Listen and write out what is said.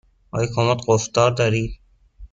آیا کمد قفل دار دارید؟